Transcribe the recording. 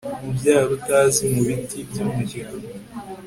Mubyara utazi mubiti byumuryango